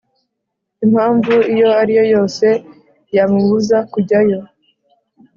impamvu iyo ari yo yose yamubuza kujyayo